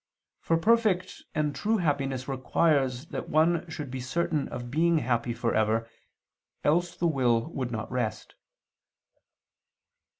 For perfect and true happiness requires that one should be certain of being happy for ever, else the will would not rest.